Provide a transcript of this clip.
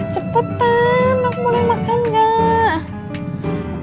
cepetan boleh makan gak